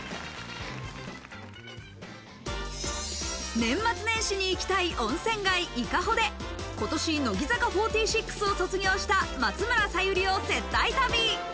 年末年始に行きたい温泉街・伊香保で今年、乃木坂４６を卒業した松村沙友理を接待旅。